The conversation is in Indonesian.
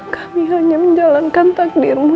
kami hanya menjalankan takdirmu